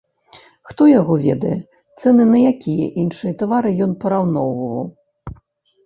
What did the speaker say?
Хто яго ведае, цэны на якія іншыя тавары ён параўноўваў?